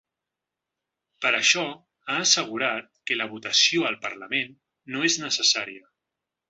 Per això ha assegurat que la votació al parlament no és necessària.